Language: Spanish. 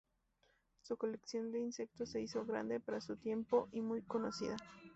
Su colección de insectos se hizo grande para su tiempo y muy conocida.